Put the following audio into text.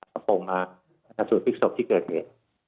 กระพงมาสูดฟิกซอปที่เกิดเหตุ